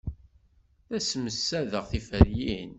La ssemsadeɣ tiferyin.